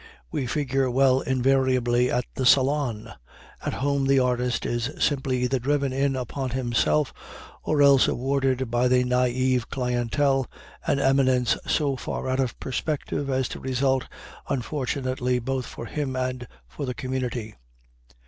We figure well invariably at the Salon. At home the artist is simply either driven in upon himself, or else awarded by a naïve clientèle, an eminence so far out of perspective as to result unfortunately both for him and for the community.